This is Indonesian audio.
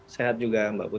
sehat juga mbak putri